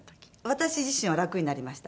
私自身は楽になりました。